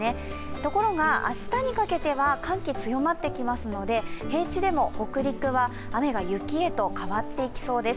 ところが、明日にかけては寒気が強まってきますので平地でも北陸は雨が雪へと変わっていきそうです。